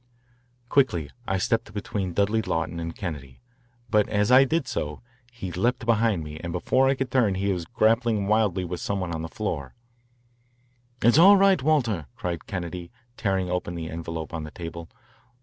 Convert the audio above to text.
Quickly I stepped between Dudley Lawton and Kennedy, but as I did so, he leaped behind me, and before I could turn he was grappling wildly with some one on the floor. "It's all right, Walter," cried Kennedy, tearing open the envelope on the table.